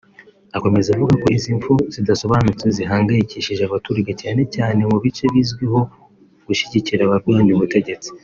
Akomeza avuga ko izi mpfu zidasobanutse zihangayikishije abaturage cyane cyane mu bice bizwiho gushyigikira abarwanya ubutegetsi